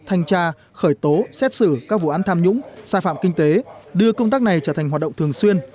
thanh tra khởi tố xét xử các vụ án tham nhũng sai phạm kinh tế đưa công tác này trở thành hoạt động thường xuyên